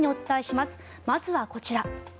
まずはこちら。